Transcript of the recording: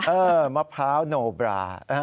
มะพร้าวโนบรา